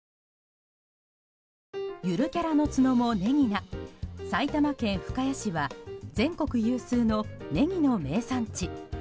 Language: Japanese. ゆるキャラの角もネギな埼玉県深谷市は全国有数のネギの名産地。